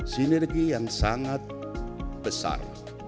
sinergi yang sangat besar